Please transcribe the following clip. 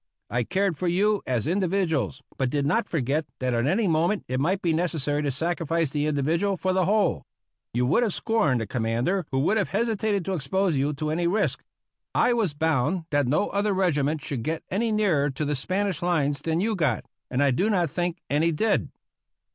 I cared for you as individuals, but did not forget that at any moment it might be necessary to sacrifice the individual for the whole. You would have scorned a commander who would have hesitated to expose you to any risk. I was bound that no other regiment should get any nearer to the Spanish lines than you got, and I do not think any did.